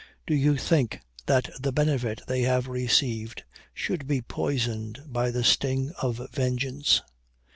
Do you think that the benefit they have received, should be poisoned by the sting of vengeance.